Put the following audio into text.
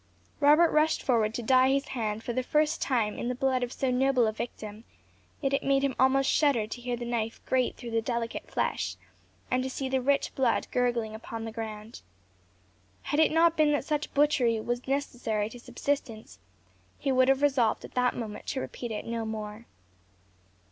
Robert rushed forward to dye his hand for the first time in the blood of so noble a victim; yet it made him almost shudder to hear the knife grate through the delicate flesh, and to see the rich blood gurgling upon the ground. Had it not been that such butchery was necessary to subsistence, he would have resolved at that moment to repeat it no more.